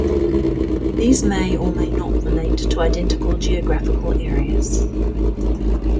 These may or may not relate to identical geographical areas.